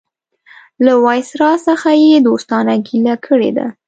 له وایسرا څخه یې دوستانه ګیله کړې ده.